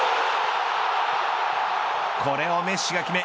これをメッシが決め